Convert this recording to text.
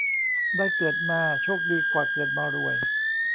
ได้เกิดมาโชคดีกว่าเกิดมารวย